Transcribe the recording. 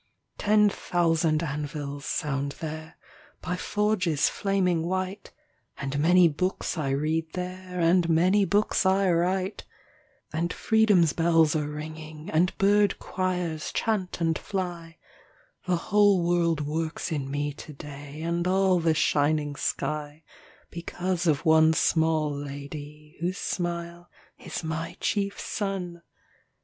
Ten thousand anvils sound there By forges flaming white, And many books I read there, And many books I write; And freedom's bells are ringing, And bird choirs chant and fly The whole world works in me to day And all the shining sky, Because of one small lady Whose smile is my chief sun.